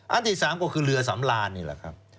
อันที่๓ก็คือเรือสำลานนี่แหละครับ